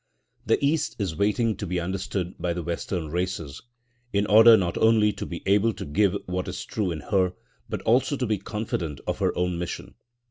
The East is waiting to be understood by the Western races, in order not only to be able to give what is true in her, but also to be confident of her own mission.